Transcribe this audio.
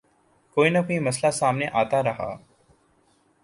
کوئی نہ کوئی مسئلہ سامنے آتا رہا۔